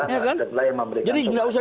ya kan jadi tidak usah